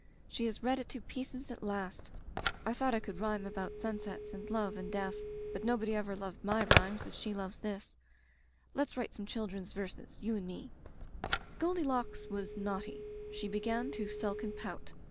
She has read it to pieces at last. I thought I could rhyme about sunsets and Digitized by LjOOQ IC Interventions love and death, but nobody ever loved my rhymes as she loves this. Let's write some children's verses, you and me Goldilocks was naughty, she began to sulk and pout.